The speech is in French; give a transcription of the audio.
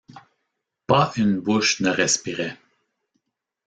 Pas une bouche ne respirait.